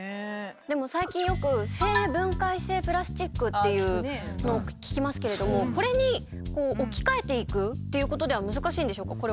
でも最近よく「生分解性プラスチック」というのを聞きますけれどもこれにこう置き換えていくということでは難しいんでしょうか？